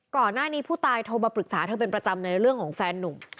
ก่อนหน้านี้ผู้ตายโทรมาปรึกษาเธอเป็นประจำในเรื่องของแฟนนุ่ม